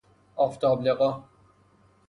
آفتاب لقا